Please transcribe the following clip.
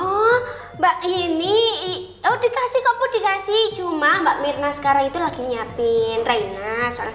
oh mbak ini dikasih kok dikasih cuma mbak mirna sekarang itu lagi nyiapin reina soal